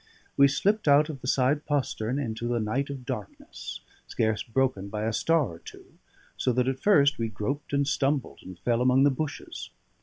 We slipped out of the side postern into a night of darkness, scarce broken by a star or two; so that at first we groped and stumbled and fell among the bushes.